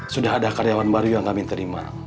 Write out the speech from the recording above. sudah ada karyawan baru yang kami terima